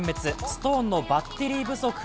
ストーンのバッテリー不足。